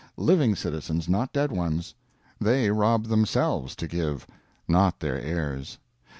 Living citizens not dead ones. They rob themselves to give, not their heirs.